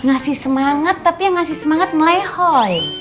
ngasih semangat tapi yang ngasih semangat melehoy